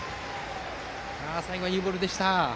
最後はいいボールでした。